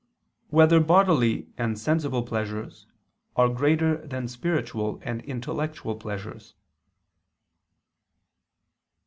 5] Whether Bodily and Sensible Pleasures Are Greater Than Spiritual and Intellectual Pleasures?